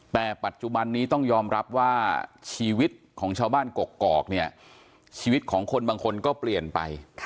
แต่ปัจจุบันนี้ต้องยอมรับว่าชีวิตของชาวบ้านกกอกเนี่ยชีวิตของคนบางคนก็เปลี่ยนไป